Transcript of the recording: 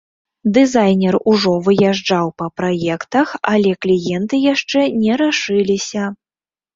Дызайнер ужо выязджаў па праектах, але кліенты яшчэ не рашыліся.